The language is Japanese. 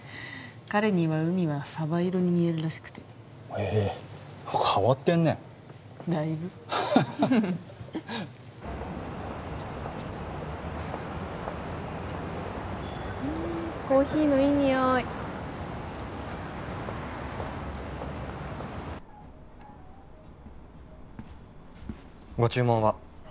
彼には海はサバ色に見えるらしくてへえ変わってんねだいぶうんコーヒーのいいニオイご注文は？